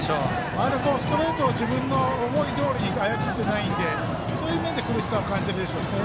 まだストレートを自分の思いどおりに操っていないのでそういう面で、苦しさを感じているでしょうしね。